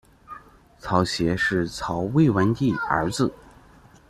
曹协是曹魏文帝儿子。